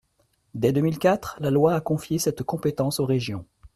Dès deux mille quatre, la loi a confié cette compétence aux régions.